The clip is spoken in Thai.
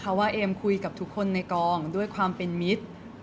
เพราะว่าเอมคุยกับทุกคนในกองด้วยความเป็นมิตร